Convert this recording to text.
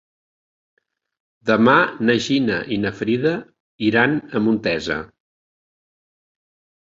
Demà na Gina i na Frida iran a Montesa.